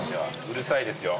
うるさいですよ。